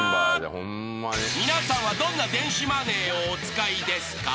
［皆さんはどんな電子マネーをお使いですか？］